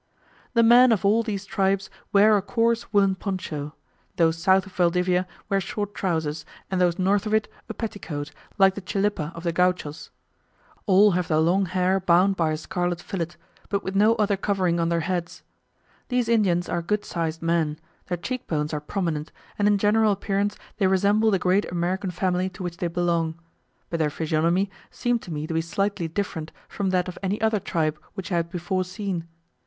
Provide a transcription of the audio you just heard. The men of all these tribes wear a coarse woolen poncho: those south of Valdivia wear short trousers, and those north of it a petticoat, like the chilipa of the Gauchos. All have their long hair bound by a scarlet fillet, but with no other covering on their heads. These Indians are good sized men; their cheek bones are prominent, and in general appearance they resemble the great American family to which they belong; but their physiognomy seemed to me to be slightly different from that of any other tribe which I had before seen.